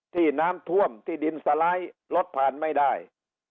ที่น้ำท่วมที่ดินสไลด์รถผ่านไม่ได้